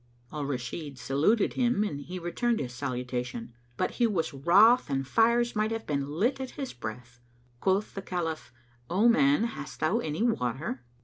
Al Rashid saluted him and he returned his salutation; but he was wroth and fires might have been lit at his breath. Quoth the Caliph, "O man, hast thou any water?"